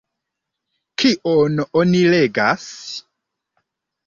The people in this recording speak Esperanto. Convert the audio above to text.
Kion oni legas?